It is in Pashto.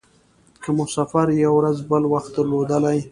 که مو سفر یوه ورځ بل وخت درلودلای.